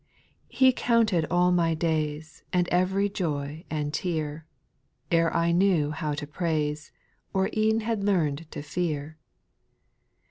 2. He counted all my days. And ev'ry joy and tear, Ere I knew how to praise, Or e'en had learn'd to fear.